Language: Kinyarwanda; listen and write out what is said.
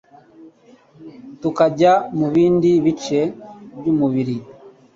tukajya mu bindi bice by'umubiri